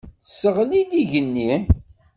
Tesseɣli-d igenni.